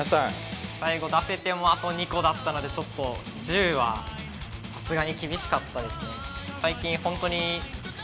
最後出せてもあと２個だったのでちょっと１０はさすがに厳しかったですね。